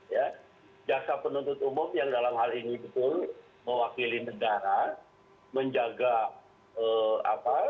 ya jaksa penuntut umum yang dalam hal ini betul mewakili negara menjaga apa